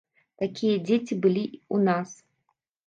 Такія дзеці былі ў нас.